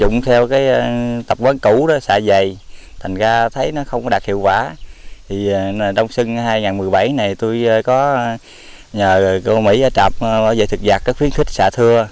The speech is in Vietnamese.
năm hai nghìn một mươi bảy này tôi có nhờ cô mỹ ở trạm bảo vệ thực vạt các phiến thích xạ thưa